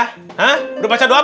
hah udah baca doa